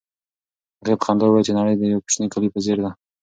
هغې په خندا وویل چې نړۍ د یو کوچني کلي په څېر ده.